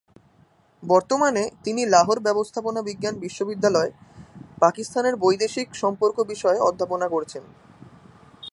বর্তমানে তিনি লাহোর ব্যবস্থাপনা বিজ্ঞান বিশ্ববিদ্যালয়ে পাকিস্তানের বৈদেশিক সম্পর্ক বিষয়ে অধ্যাপনা করছেন।